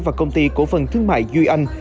và công ty cổ phần thương mại duy anh